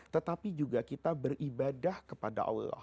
tetapi juga kita beribadah kepada allah